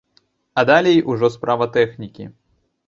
А далей ужо справа тэхнікі.